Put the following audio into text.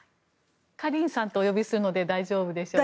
カリンさんとお呼びするので大丈夫でしょうか。